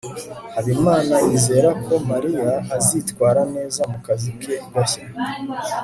habimana yizera ko mariya azitwara neza mu kazi ke gashya